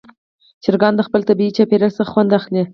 چرګان د خپل طبیعي چاپېریال څخه خوند اخلي.